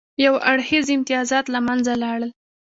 یو اړخیز امتیازات له منځه لاړل.